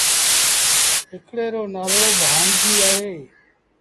هڪڙي رو نآلو ڀآڻجيٚ اهي۔